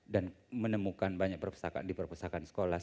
menemukan banyak perpustakaan di perpustakaan sekolah